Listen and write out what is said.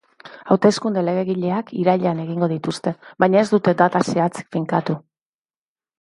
Hauteskunde legegileak irailean egingo dituzte, baina ez dute data zehatzik finkatu.